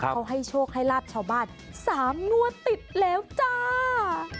เขาให้โชคให้ลาบชาวบ้าน๓งวดติดแล้วจ้า